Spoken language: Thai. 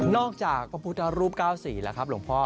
นอกจากพระพุทธรูป๙๔กะครับหลวงพ่อ